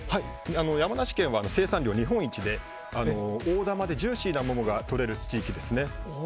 山梨県は生産量日本一で大玉でジューシーな桃がとれる地域です。